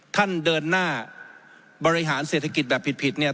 ท่านเดินหน้าบริหารเศรษฐกิจแบบผิดเนี่ย